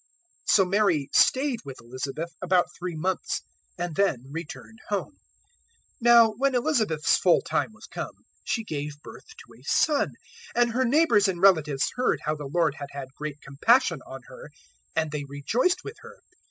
001:056 So Mary stayed with Elizabeth about three months, and then returned home. 001:057 Now when Elizabeth's full time was come, she gave birth to a son; 001:058 and her neighbours and relatives heard how the Lord had had great compassion on her; and they rejoiced with her.